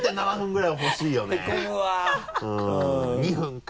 ２分か。